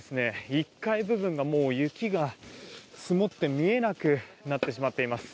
１階部分が雪が積もって見えなくなってしまっています。